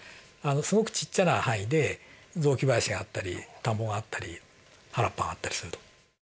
すごくちっちゃな範囲で雑木林があったり田んぼもあったり原っぱがあったりすると。